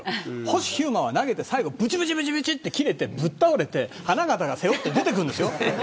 星飛雄馬は投げて最後、ぶちぶちって切れてぶっ倒れて花形が背負って出て行くんです。